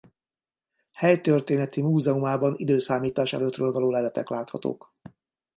Helytörténeti múzeumában időszámítás előttről való leletek láthatók.